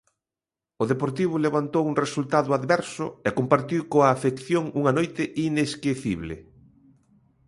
O Deportivo levantou un resultado adverso e compartiu coa afección unha noite inesquecible.